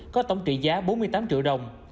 có tổng trị giá bốn mươi tám triệu đồng